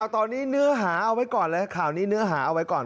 ตอนนี้เนื้อหาเอาไว้ก่อนเลยข่าวนี้เนื้อหาเอาไว้ก่อน